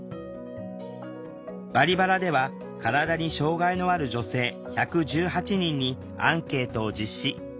「バリバラ」では体に障害のある女性１１８人にアンケートを実施。